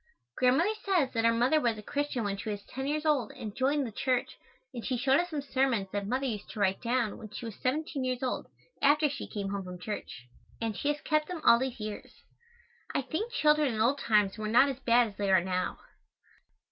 Grandmother says that our mother was a Christian when she was ten years old and joined the church and she showed us some sermons that mother used to write down when she was seventeen years old, after she came home from church, and she has kept them all these years. I think children in old times were not as bad as they are now.